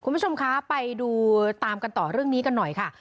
คุณผู้ชมคะไปดูตามกันต่อเรื่องนี้กันหน่อยค่ะ